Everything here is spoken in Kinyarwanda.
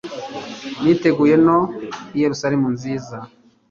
niteguye no i yerusalemu nzira